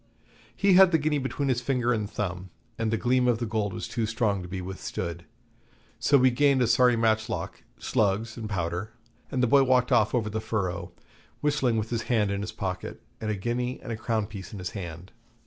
He had the guinea between his finger and thumb, and the gleam of the gold was too strong to be withstood. So we gained a sorry matchlock, slugs, and powder, and the boy walked off over the furrow, whistling with his hand in his pocket, and a guinea and a crown piece in his hand.